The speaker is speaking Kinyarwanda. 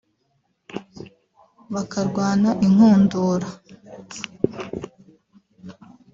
bakarwana inkundura